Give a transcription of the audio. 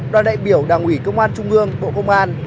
đoàn đại biểu đảng ủy công an trung ương bộ công an